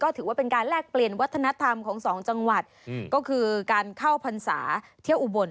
ถือว่าเป็นการแลกเปลี่ยนวัฒนธรรมของสองจังหวัดก็คือการเข้าพรรษาเที่ยวอุบล